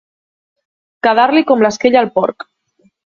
Quedar-li com l'esquella al porc.